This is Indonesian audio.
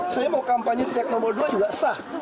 saya mau kampanye trik nomor dua juga saya sah